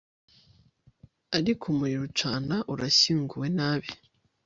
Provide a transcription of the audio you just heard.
Ariko umuriro ucana urashyinguwe nabi